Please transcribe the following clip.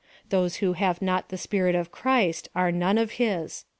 Those who have not the Spirit of Christ are none of his.